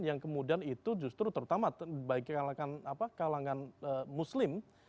yang kemudian itu justru terutama bagi kalangan muslim